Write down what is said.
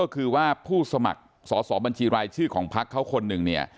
คือว่าผู้สมัครสหสอบัญชีรายชื่อของพรรคเขาคนนึง